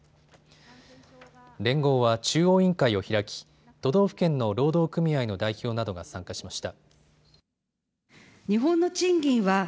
連合は中央委員会を開き都道府県の労働組合の代表などが参加しました。